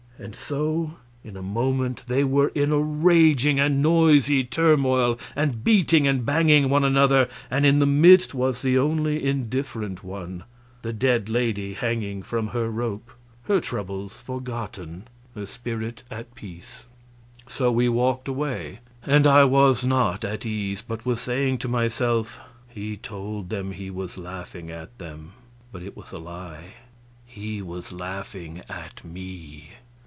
And so in a moment they were in a raging and noisy turmoil, and beating and banging one another; and in the midst was the only indifferent one the dead lady hanging from her rope, her troubles forgotten, her spirit at peace. So we walked away, and I was not at ease, but was saying to myself, "He told them he was laughing at them, but it was a lie he was laughing at me."